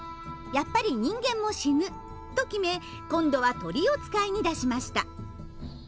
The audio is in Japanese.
やっぱり人間も死ぬと決め今度は鳥を使いに出しました。